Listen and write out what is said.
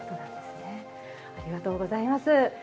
ありがとうございます。